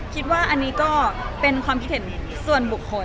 คิดว่าอันนี้ก็เป็นความคิดเห็นส่วนบุคคล